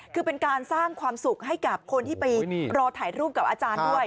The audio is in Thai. คือเป็นการสร้างความสุขให้กับคนที่ไปรอถ่ายรูปกับอาจารย์ด้วย